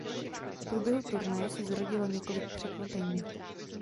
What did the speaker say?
V průběhu turnaje se zrodilo několik překvapení.